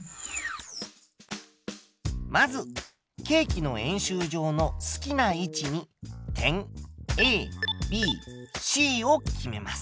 まずケーキの円周上の好きな位置に点ＡＢＣを決めます。